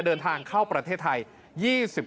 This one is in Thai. เดินทางเข้าประเทศไทย